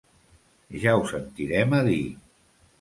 Ja ho sentirem a dir.